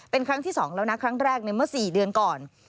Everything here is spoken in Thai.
เป็นครั้งที่๒แล้วนะครั้งแรกในเมื่อ๔เดือนก่อน